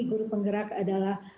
guru penggerak adalah